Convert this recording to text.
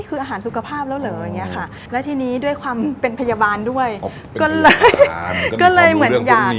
การกำลังแต่งร้านความเจ็บของเราต่อแต่งเป็นยังไง